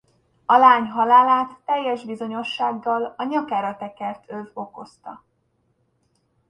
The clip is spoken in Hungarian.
A lány halálát teljes bizonyossággal a nyakára tekert öv okozta.